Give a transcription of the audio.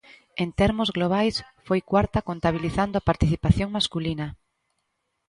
En termos globais foi cuarta contabilizando a participación masculina.